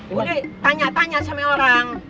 boleh tanya tanya sama orang